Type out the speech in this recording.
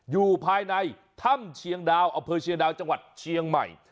อยู่ภายในถ้ำเชียงดาวอำเภอเชียงดาวจังหวัดเชียงใหม่